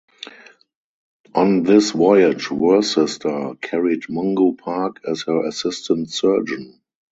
On this voyage "Worcester" carried Mungo Park as her assistant surgeon.